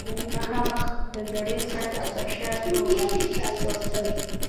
مخامخ د زړې سړک پۀ شا تورسر